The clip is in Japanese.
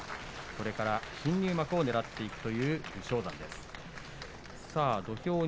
これから新入幕をねらっていく武将山です。